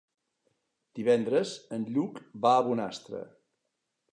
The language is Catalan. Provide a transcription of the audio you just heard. Divendres en Lluc va a Bonastre.